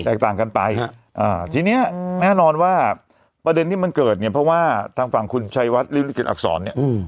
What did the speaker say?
ต่างกันไปทีเนี้ยแน่นอนว่าประเด็นที่มันเกิดเนี่ยเพราะว่าทางฝั่งคุณชัยวัดริมลิเกตอักษรเนี่ย